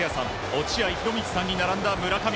落合博満さんに並んだ村上。